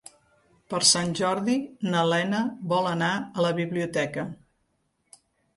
Per Sant Jordi na Lena vol anar a la biblioteca.